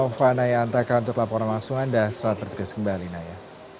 nova naya antaka untuk laporan langsung anda selamat bertugas kembali naya